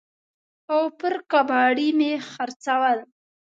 او پر کباړي مې خرڅول.